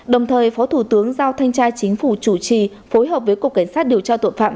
đồng thời phó thủ tướng giao thanh tra chính phủ chủ trì phối hợp với cục cảnh sát điều tra tội phạm